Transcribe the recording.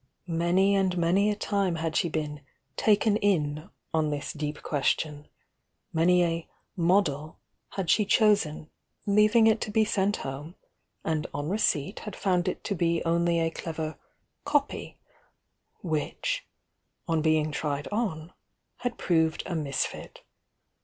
Many and mony a time had she been "taken in," on this deep quc. tion, — many a "model" had she cho.^en. leaving it to be sent home, and on receipt had found it to be only a clever "copy" which, on being tried on, had proved a misfit.